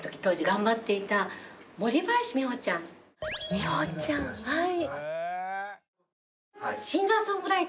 みほちゃんはい。